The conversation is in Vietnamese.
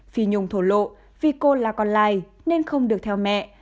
phi nhung thổ lộ vì cô là con lai nên không được theo mẹ